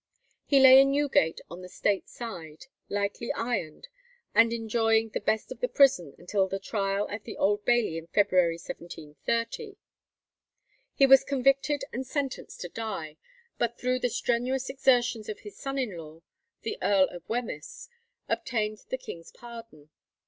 He lay in Newgate on the State side, lightly ironed, and enjoying the best of the prison until the trial at the Old Bailey in February, 1730. He was convicted and sentenced to die, but through the strenuous exertions of his son in law, the Earl of Wemyss, obtained the king's pardon.